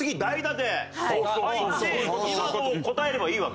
入って今のを答えればいいわけ。